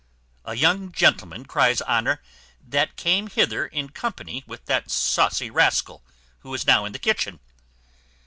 "A young gentleman," cries Honour, "that came hither in company with that saucy rascal who is now in the kitchen?"